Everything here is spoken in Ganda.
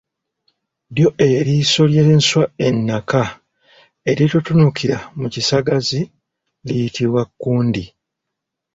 Lyo eriiso ly’enswa ennaka eritutunukira mu kisagazi liyitibwa kkundi.